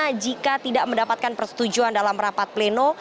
karena jika tidak mendapatkan persetujuan dalam rapat pleno